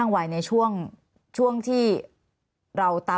มันเป็นอาหารของพระราชา